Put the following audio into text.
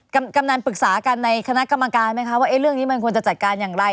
กำนันปรึกษากันในคณะกรรมการไหมคะว่าเรื่องนี้มันควรจะจัดการอย่างไร